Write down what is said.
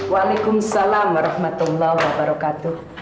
waalaikumsalam rahmatullah wabarakatuh